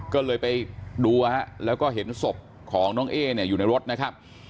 ก็เลยไปดูแล้วก็เห็นศพของน้องเอ๊เนี่ยอยู่ในรถนะครับ